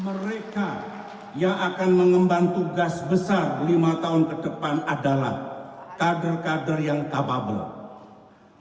mereka yang akan mengemban tugas besar lima tahun ke depan adalah kader kader yang capable